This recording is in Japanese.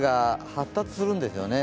発達するんですよね。